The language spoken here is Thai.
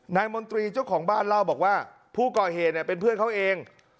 มนตรีเจ้าของบ้านเล่าบอกว่าผู้ก่อเหตุเนี่ยเป็นเพื่อนเขาเอง